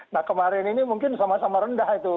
nah kemarin ini mungkin sama sama rendah itu